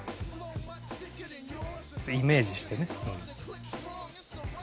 イメージしてね。